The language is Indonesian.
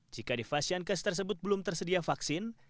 jika di fashiankes tersebut belum tersedia vaksin